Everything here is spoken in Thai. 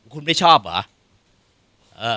คุณไม่ชอบเหรอ